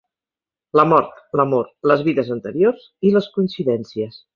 La mort, l'amor, les vides anteriors i les coincidències.